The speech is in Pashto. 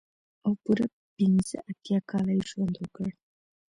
او پوره پنځه اتيا کاله يې ژوند وکړ.